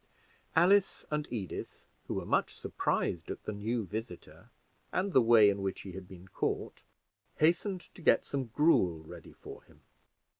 Alice and Edith, who were much surprised at the new visitor and the way in which he had been caught, hastened to get some gruel ready for him.